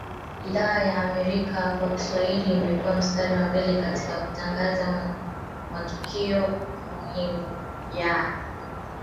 idhaa ya Amerika kwa Kiswahili imekua mstari wa mbele katika kutangaza matukio muhimu ya